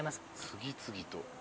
次々と。